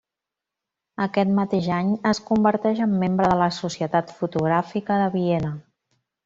Aquest mateix any es converteix en membre de la Societat Fotogràfica de Viena.